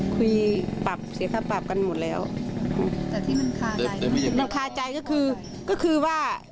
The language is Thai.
คุยปรับเสียค่าปรับกันหมดแล้ว